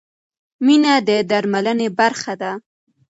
مینه د درملنې برخه ده.